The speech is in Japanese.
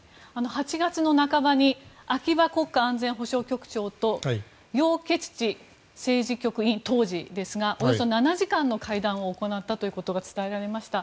８月の半ばに秋葉国家安全保障局長とヨウ・ケツチ政治局委員当時ですがおよそ７時間会談を行ったということが伝えられました。